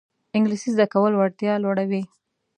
انګلیسي زده کول وړتیا لوړوي